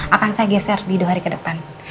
akan saya geser di dua hari ke depan